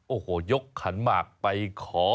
โอ้โหยกขันหมากไปขอ